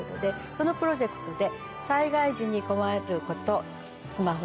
このプロジェクトで。